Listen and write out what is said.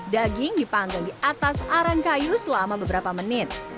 daging dipanggang di atas arang kayu selama beberapa menit